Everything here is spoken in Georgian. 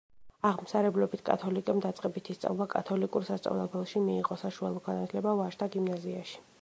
აღმსარებლობით კათოლიკემ დაწყებითი სწავლა კათოლიკურ სასწავლებელში მიიღო, საშუალო განათლება ვაჟთა გიმნაზიაში.